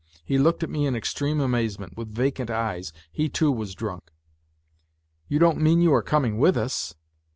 He looked at me in extreme amazement, with vacant eyes. He, too, was drunk. " You don't mean you are coming with us